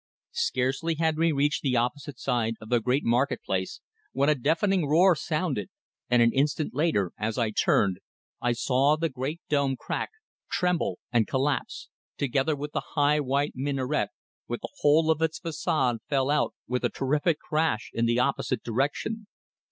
Scarcely had we reached the opposite side of the great market place when a deafening roar sounded, and an instant later, as I turned, I saw the great dome crack, tremble and collapse, together with the high white minaret, while the whole of its façade fell out with a terrific crash in the opposite direction.